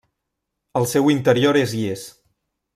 El seu interior és llis.